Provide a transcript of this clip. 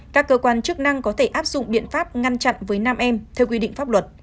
các cơ quan chức năng có thể áp dụng biện pháp ngăn chặn với nam em theo quy định pháp luật